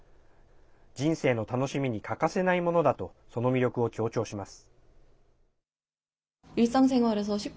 人生の楽しみに欠かせないものだとその魅力を強調します。